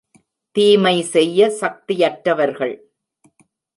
தீமை செய்ய சக்தியற்றவர்கள்.